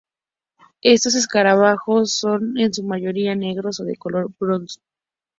Estos escarabajos son en su mayoría negros o de color bronce.